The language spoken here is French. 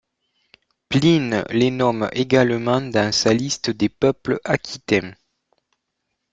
Pline les nomme également dans sa liste des peuples aquitains.